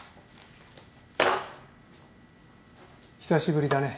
久しぶりだね。